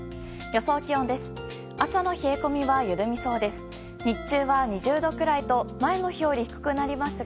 予想気温です。